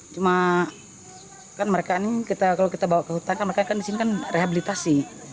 cuma kan mereka ini kalau kita bawa ke hutan kan mereka kan di sini kan rehabilitasi